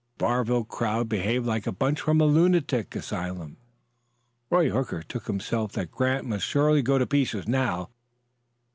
The Barville crowd behaved like a bunch from a lunatic asylum. Roy Hooker told himself that Grant must surely go to pieces now.